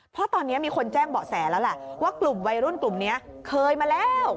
เพราะตอนนี้มีคนแจ้งเบาะแสแล้วแหละว่ากลุ่มวัยรุ่นกลุ่มนี้เคยมาแล้ว